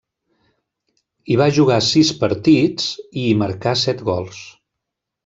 Hi va jugar sis partits, i hi marcà set gols.